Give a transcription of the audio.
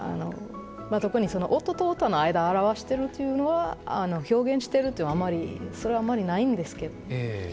特に音と音の間表してるというのは表現してるというのはそれはあんまりないんですけど。